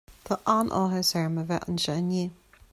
Tá an-áthas orm a bheith anseo inniu.